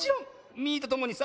ミーとともにさ